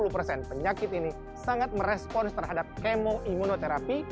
dua puluh persen penyakit ini sangat merespons terhadap kemo imunoterapi